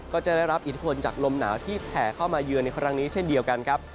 ก็จะได้รับอิทธิพลจากลมหนาวที่แผ่เข้ามาเยือนในครั้งนี้เช่นเดียวกันครับ